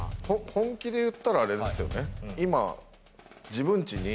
本気で言ったらあれですよね。